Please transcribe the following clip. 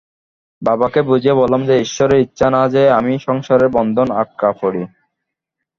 বাবাকে বুঝিয়ে বললাম যে, ঈশ্বরের ইচ্ছা না যে আমি সংসারের বন্ধনে আটকা পড়ি।